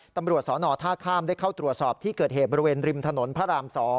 ตำรวจสนท่าข้ามได้เข้าตรวจสอบที่เกิดเหตุบริเวณริมถนนพระราม๒